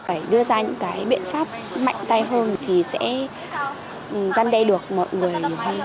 phải đưa ra những biện pháp mạnh tay hơn thì sẽ gian đe được mọi người